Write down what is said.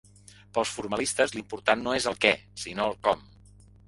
Pels formalistes, l'important no és el què, sinó el com.